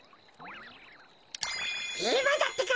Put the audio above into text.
いまだってか。